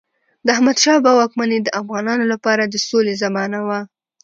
د احمدشاه بابا واکمني د افغانانو لپاره د سولې زمانه وه.